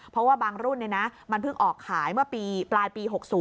เพราะว่าบางรุ่นเนี่ยนะมันเพิ่งออกขายปลายปี๖๐